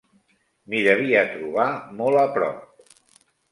M'hi devia trobar molt a prop